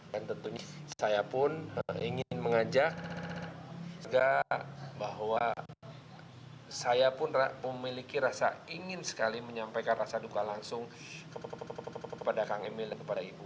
dan tentunya saya pun ingin mengajak bahwa saya pun memiliki rasa ingin sekali menyampaikan rasa duka langsung kepada kang emil dan kepada ibu